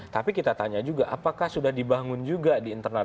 tapi kita tanya juga apakah sudah dibangun juga di internal